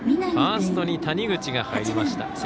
ファーストに谷口が入りました。